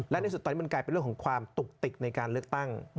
และในสุดตอนนี้มันกลายเป็นเรื่องของความตุกติกในการเลือกตั้ง